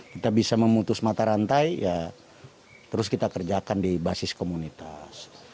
kita bisa memutus mata rantai ya terus kita kerjakan di basis komunitas